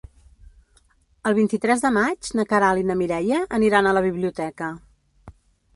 El vint-i-tres de maig na Queralt i na Mireia aniran a la biblioteca.